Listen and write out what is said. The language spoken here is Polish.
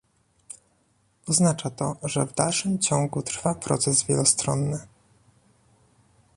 Oznacza to, że w dalszym ciągu trwa proces wielostronny